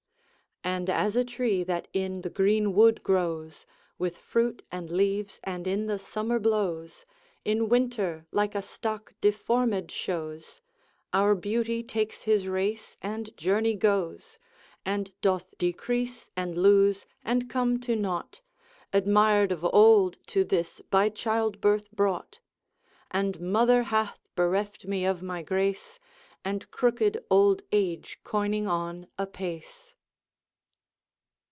And as a tree that in the green wood grows, With fruit and leaves, and in the summer blows, In winter like a stock deformed shows: Our beauty takes his race and journey goes, And doth decrease, and lose, and come to nought, Admir'd of old, to this by child birth brought: And mother hath bereft me of my grace, And crooked old age coining on apace.